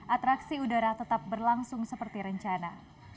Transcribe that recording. atraksi udara tetap berlangsung seperti rencana